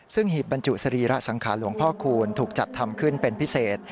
ซึ่งหีบบรรจุสรีระสังขารหลวงพ่อคูณถูกจัดทำขึ้นเป็นพิเศษ